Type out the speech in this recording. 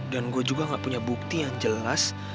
gue juga gak punya bukti yang jelas